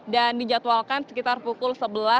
dan dijadwalkan sekitar pukul sebelas empat puluh